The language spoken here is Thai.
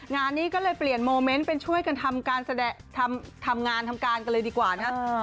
งานนี้ก็เลยเปลี่ยนโมเมนต์เป็นช่วยกันทำการแสดงทำงานทำการกันเลยดีกว่านะ